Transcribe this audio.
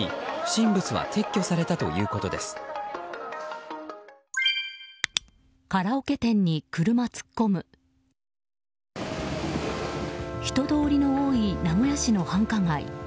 人通りの多い名古屋市の繁華街。